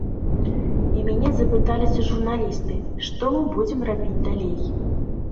І мяне запыталіся журналісты, што мы будзем рабіць далей.